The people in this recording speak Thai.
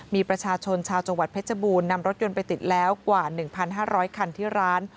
มีประชาชนชาวจังหวัดเพชรบูรณ์นำรถยนต์ไปติดแล้วกว่า๑๕๐๐คันที่ร้าน